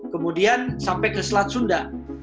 kemudian sampai ke selat sunda